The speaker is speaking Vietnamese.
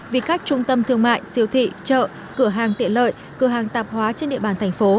vì các trung tâm thương mại siêu thị chợ cửa hàng tiện lợi cửa hàng tạp hóa trên địa bàn thành phố